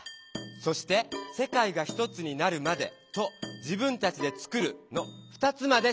そして「世界がひとつになるまで」と「自分たちで作る」の２つまでしぼれたよね。